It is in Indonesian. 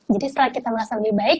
jadi setelah kita merasa lebih baik